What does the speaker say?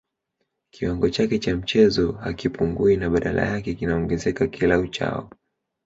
Kiwango chake cha mchezo hakipungui na badala yake kinaongezeka kila uchao